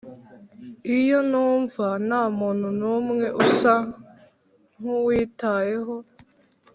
iyo numva ntamuntu numwe usa nkuwitayeho,